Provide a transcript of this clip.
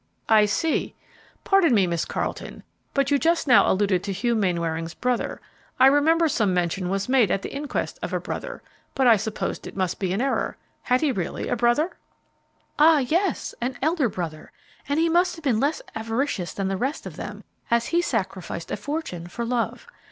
"I see. Pardon me, Miss Carleton; but you just now alluded to Hugh Mainwaring's brother. I remember some mention was made at the inquest of a brother, but I supposed it must be an error. Had he really a brother?" "Ah, yes, an elder brother; and he must have been less avaricious than the rest of them, as he sacrificed a fortune for love.